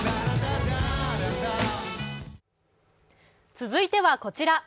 続いてはこちら。